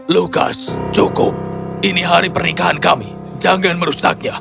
lukas cukup ini hari pernikahan kami jangan merusaknya